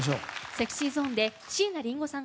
ＳｅｘｙＺｏｎｅで椎名林檎さん